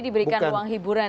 jadi diberikan uang hiburan